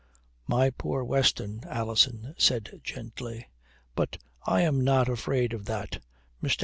"My poor Weston," Alison said gently. "But I am not afraid of that. Mr.